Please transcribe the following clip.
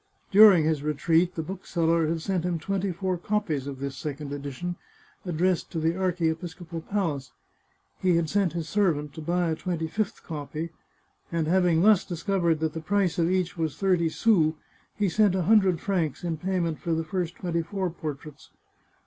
During his retreat the bookseller had sent him twenty four copies of 491 The Chartreuse of Parma this second edition addressed to the archiepiscopal palace. He had sent his servant to buy a twenty fifth copy, and hav ing thus discovered that the price of each to be thirty sous, he had sent a hundred francs in payment for the first twenty four portraits.